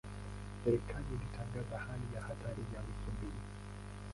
Serikali ilitangaza hali ya hatari ya wiki mbili.